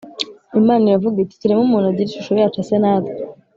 Imana iravuga iti Tureme umuntu agire ishusho yacu ase natwe